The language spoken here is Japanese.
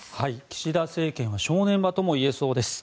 岸田政権は正念場ともいえそうです。